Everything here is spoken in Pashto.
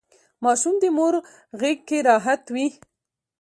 ماشوم د مور غیږکې راحت وي.